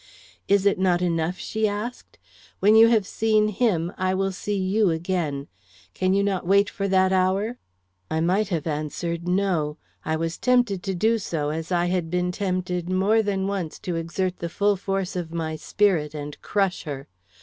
"Is it not enough?" she asked. "When you have seen him, I will see you again. Can you not wait for that hour?" I might have answered No. I was tempted to do so, as I had been tempted more than once to exert the full force of my spirit and crush her.